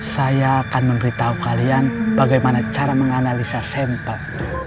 saya akan memberitahu kalian bagaimana cara menganalisa sampel